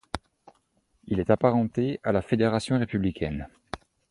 Il est apparenté à la Fédération républicaine.